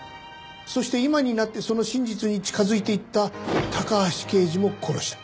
そして今になってその真実に近づいていった高橋刑事も殺した。